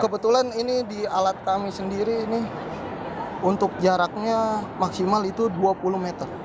kebetulan ini di alat kami sendiri ini untuk jaraknya maksimal itu dua puluh meter